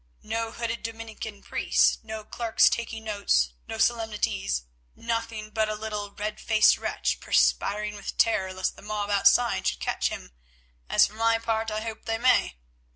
No hooded Dominican priests, no clerks taking notes, no solemnities, nothing but a little red faced wretch, perspiring with terror lest the mob outside should catch him, as for my part I hope they may.